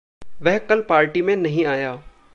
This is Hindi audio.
वह कल पार्टी में नहीं आया।